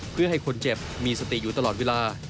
เพื่อให้คนเจ็บมีสติอยู่ตลอดเวลา